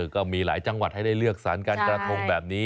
ก็มีหลายจังหวัดให้ได้เลือกสารการกระทงแบบนี้